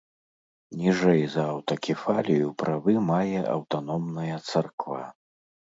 Ніжэй за аўтакефалію правы мае аўтаномная царква.